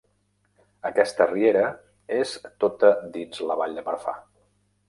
Aquesta riera és tota dins de la Vall de Marfà.